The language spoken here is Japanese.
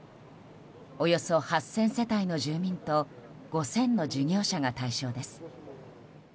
およそ８０００世帯の住民と５０００の事業者が対象です。